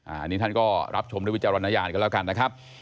อันนี้ท่านก็รับชมด้วยวิจารณญาณกันแล้วกันนะครับ